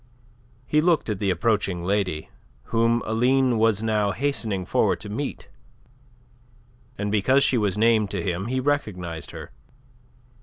He looked at the approaching lady, whom Aline was now hastening forward to meet, and because she was named to him he recognized her.